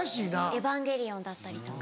『エヴァンゲリオン』だったりとか。